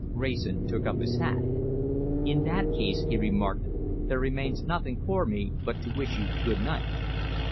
Wrayson took up his hat. "In that case," he remarked, "there remains nothing for me but to wish you good night!"